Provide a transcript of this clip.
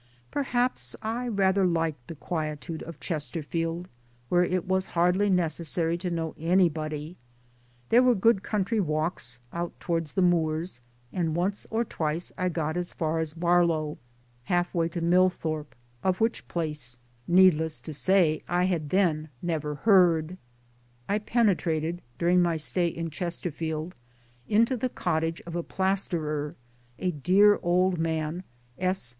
Perhaps I rather liked the quietude of Chester field where it was hardly necessary to know any body. There were good country walks out towards the moors, and once or twice I got as far as Barlow, half way to Millthorpe of which place, needless to MY DAYS AND DREAMS say, I had then never heard. I penetrated, during my stay in Chesterfield, into the cottage of a plasterer, a dear old man, S.